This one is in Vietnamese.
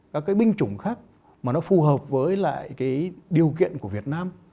các cái binh chủng khác mà nó phù hợp với lại cái điều kiện của việt nam